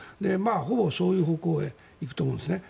ほぼそういう方向へ行くと思うんです。